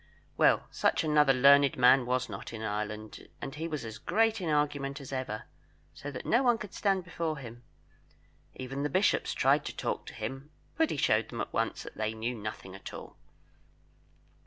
Well, such another learned man was not in Ireland, and he was as great in argument as ever, so that no one could stand before him. Even the bishops tried to talk to him, but he showed them at once they knew nothing at all.